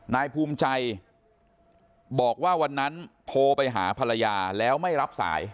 นายภูมิใจบอกว่าวันนั้นโทรไปหาภรรยาแล้วไม่รับสาย